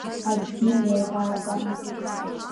Акгьы еилкааӡам!